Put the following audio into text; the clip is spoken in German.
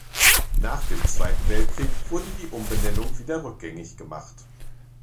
Nach dem Zweiten Weltkrieg wurde die Umbenennung wieder rückgängig gemacht.